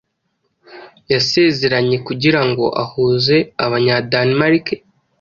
Yasezeranye kugirango ahuze abanya Danemark